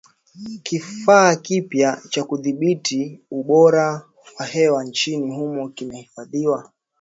Kifaa kipya cha kudhibiti ubora wa hewa nchini humo kimefadhiliwa